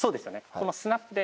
このスナップで。